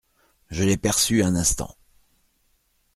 Je l'ai perçu un instant.